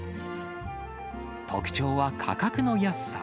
特徴は価格の安さ。